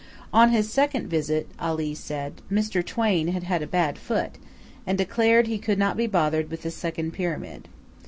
On his second visit, Ali said, Mr. Twain had a bad foot, and declared he could not be bothered with the second Pyramid.